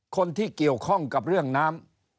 คนที่เกี่ยวข้องกับเรื่องน้ำ